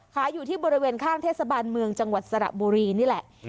ขายอยู่ที่บริเวณข้างเทศบาลเมืองจังหวัดสระบุรีนี่แหละ